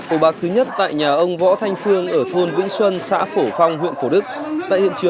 ổ bạc thứ nhất tại nhà ông võ thanh phương ở thôn vĩnh xuân xã phổ phong huyện phổ đức